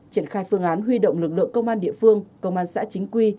triển khai phương án huy động lực lượng công an địa phương công an xã chính quy